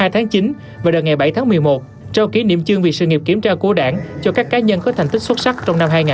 hai tháng chín và đợt ngày bảy tháng một mươi một trao kỷ niệm chương về sự nghiệp kiểm tra của đảng cho các cá nhân có thành tích xuất sắc trong năm hai nghìn hai mươi một